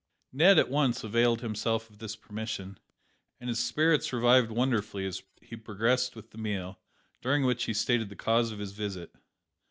Ned at once availed himself of this permission, and his spirits revived wonderfully as he progressed with the meal, during which he stated the cause of his visit.